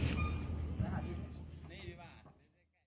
สวัสดีมากสวัสดีมาก